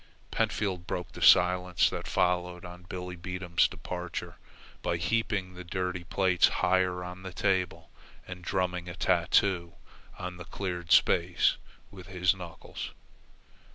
Pentfield broke the silence that followed on Billebedam's departure by heaping the dirty plates higher on the table and drumming a tattoo on the cleared space with his knuckles.